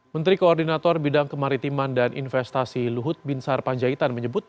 menteri koordinator bidang kemaritiman dan investasi luhut binsar panjaitan menyebut